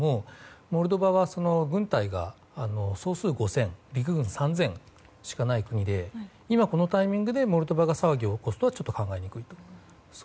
モルドバは軍隊が総数５０００陸軍３０００しかない国で今、このタイミングでモルドバが騒ぎを起こすとはちょっと考えにくいと思います。